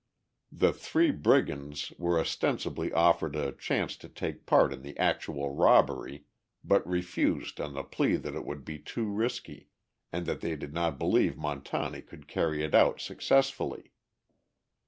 The "Three Brigands" were ostensibly offered a chance to take part in the actual robbery, but refused on the plea that it would be too risky, and that they did not believe Montani could carry it out successfully.